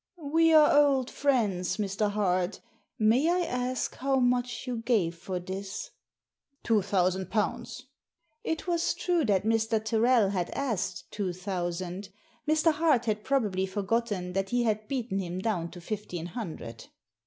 "We are old friends, Mr. Hart May I ask how much you gave for this ?" "Two thousand pounds." It was true that Mr. Tyrrel had asked two thousand. Mr. Hart had probably forgotten that he had beaten him down to fifteen hundred.